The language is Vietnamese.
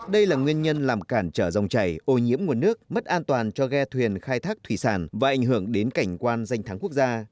đây là nguyên nhân làm cản trở dòng chảy ô nhiễm nguồn nước mất an toàn cho ghe thuyền khai thác thủy sản và ảnh hưởng đến cảnh quan danh thắng quốc gia